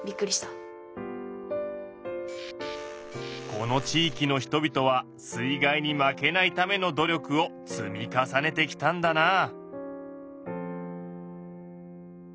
この地域の人々は水害に負けないための努力を積み重ねてきたんだなあ。